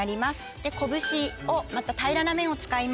で拳をまた平らな面を使います。